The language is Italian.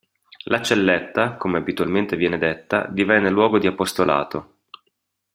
La celletta, come abitualmente viene detta, divenne luogo di apostolato.